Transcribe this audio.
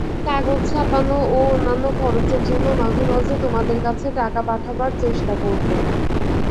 কাগজ ছাপানো ও অন্যান্য খরচের জন্য মাঝে মাঝে তোমাদের কাছে টাকা পাঠাবার চেষ্টা করব।